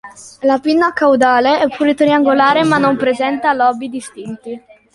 La pinna caudale è pure triangolare ma non presenta lobi distinti.